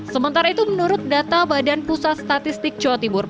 sementara itu menurut data badan pusat statistik jawa timur